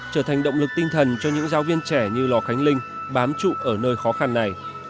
trở thành động lực tinh thần cho những giáo viên trẻ như lò khánh linh bám trụ ở nơi khó khăn này